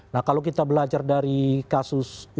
nah kalau kita belajar dari kasus